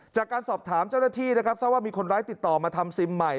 จากการสอบถามเจ้าหน้าที่นะครับทราบว่ามีคนร้ายติดต่อมาทำซิมใหม่